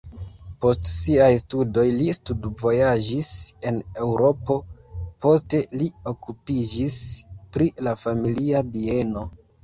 Post siaj studoj li studvojaĝis en Eŭropo, poste li okupiĝis pri la familia bieno.